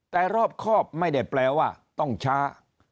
แต่รอบครอบไม่ได้แปลว่าต้องช้า